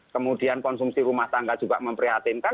kemudian konsumsi rumah tangga juga memprihatinkan